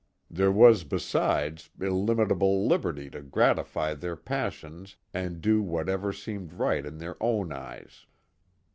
There was, besides, illimit able liberty to gratify their passions and do whatever seemed right in their own eyes.